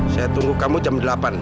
saya tunggu kamu jam delapan